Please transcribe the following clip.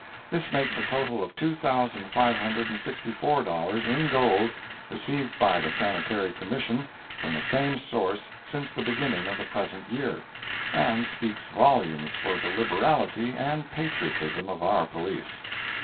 This makes a total of two thousand five hundred and sixty four dollars, in gold, received by the Sanitary Commission from the same source since the beginning of the present year, and speaks volumes for the liberality and patriotism of our Police.